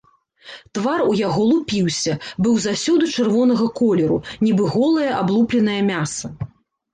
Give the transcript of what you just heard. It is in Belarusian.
Твар у яго лупіўся, быў заўсёды чырвонага колеру, нібы голае аблупленае мяса.